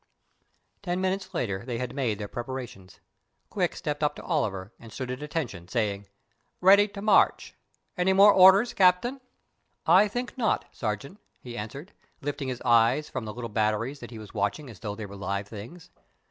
Ten minutes later they had made their preparations. Quick stepped up to Oliver and stood at attention, saying: "Ready to march. Any more orders, Captain?" "I think not, Sergeant," he answered, lifting his eyes from the little batteries that he was watching as though they were live things.